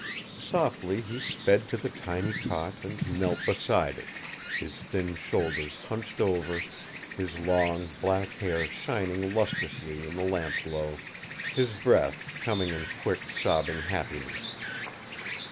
Softly he sped to the tiny cot and knelt beside it, his thin shoulders hunched over, his long black hair shining lustrously in the lamp glow, his breath coming in quick, sobbing happiness.